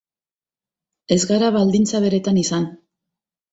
Ez gara baldintza beretan izan.